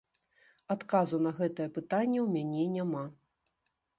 Адказу на гэтае пытанне ў мяне няма.